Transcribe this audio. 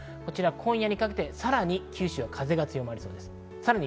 今夜にかけて九州はさらに風が強まりそうです。